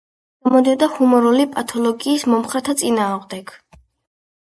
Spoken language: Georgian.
გამოდიოდა ჰუმორული პათოლოგიის მომხრეთა წინააღმდეგ.